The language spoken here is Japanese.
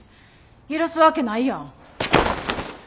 許すわけないやん。